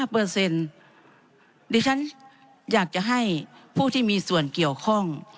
๐๕เปอร์เซ็นต์ดิฉันอยากจะให้ผู้ที่มีส่วนเกี่ยวข้อง